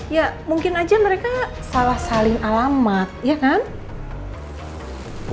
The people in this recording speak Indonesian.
ya mungkin aja mereka salah saling alamat ya kan